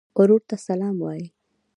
ورور ته سلام وایې.